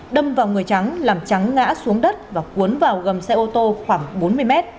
đâm vào người trắng làm trắng ngã xuống đất và cuốn vào gầm xe ô tô khoảng bốn mươi mét